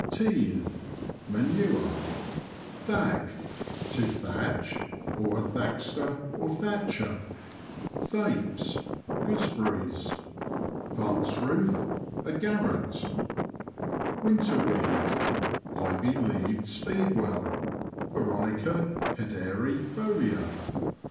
Teathe. — Manure. Thack. — To thatch ; thackster, a thatcher. Thapes. — Gooseberries. Vance roof. — A garret. Winter weed. — Ivy leaved speedwell [Veronica hederi folia).